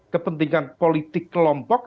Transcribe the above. kepentingan politik kelompok